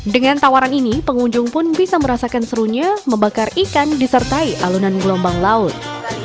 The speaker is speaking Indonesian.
dengan tawaran ini pengunjung pun bisa merasakan serunya membakar ikan disertai alunan gelombang laut